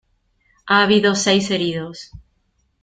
Ha habido seis heridos.